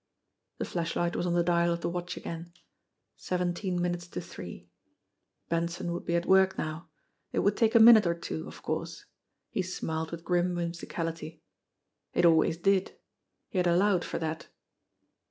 The flashlight was on the dial of the watch again. Seven teen minutes to three. Benson would be at work now. It would take a minute or two, of course. He smiled with grim whimsicality. It always did ! He had allowed for that.